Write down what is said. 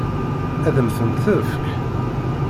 Ad m-tent-tefk?